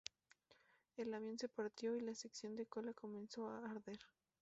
El avión se partió y la sección de cola comenzó a arder.